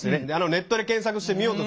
ネットで検索して見ようとして。